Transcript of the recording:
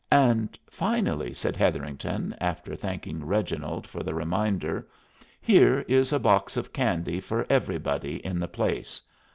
"And finally," said Hetherington, after thanking Reginald for the reminder, "here is a box of candy for everybody in the place.